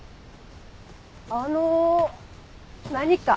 あの何か？